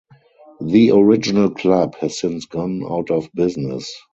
The original club has since gone out of business.